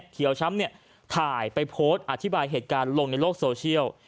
เขียวช้ำถ่ายไปโพสต์อธิบายเหตุการณ์ลงในโลกโซเชียล